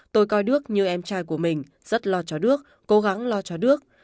tôi coi đức như em trai của mình rất lo cho đức cố gắng lo cho đức